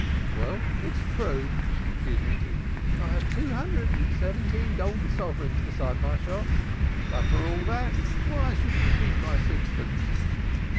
"Well, it's true," she admitted. "I have two hundred and seventeen golden sovereigns besides my shop. But for all that why should you keep my sixpence?"